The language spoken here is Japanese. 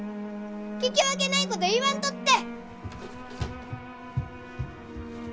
聞き分けないこと言わんとって！